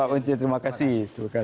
pak unci terima kasih